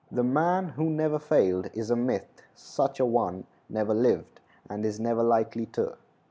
The man who never failed is a myth. Such a one never lived, and is never likely to.